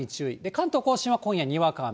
関東甲信は今夜、にわか雨。